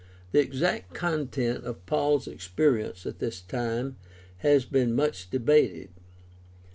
The exact content of Paul's experience at this time has been much debated.